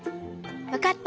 わかった！